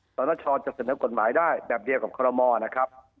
ตรรชน์จะเสนอกฎหมายได้แบบเดียวกับขมนะครับ